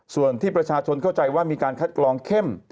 ส่วนที่ประชาชนเข้าใจว่ามีการคัดกรองเข้ม